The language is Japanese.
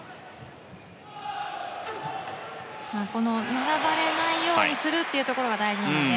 並ばれないようにするというところが大事なので